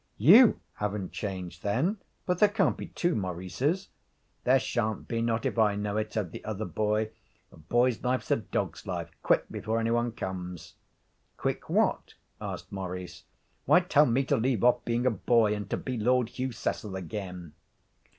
'You haven't changed, then but there can't be two Maurices.' 'There sha'n't be; not if I know it,' said the other boy; 'a boy's life's a dog's life. Quick, before any one comes.' 'Quick what?' asked Maurice. 'Why tell me to leave off being a boy, and to be Lord Hugh Cecil again.'